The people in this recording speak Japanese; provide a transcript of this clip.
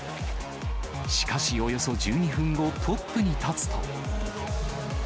しかし、およそ１２分後、トップに立つと。